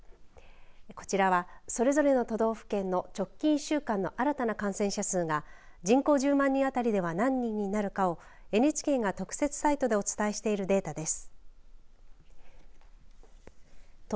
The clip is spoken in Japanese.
こちらは、それぞれの都道府県の直近１週間の新たな感染者数が人口１０万人当たりでは何人になるかをＮＨＫが特設サイトでお伝えしているデータです。